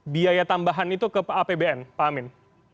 biaya tambahan itu ke apbn pak amin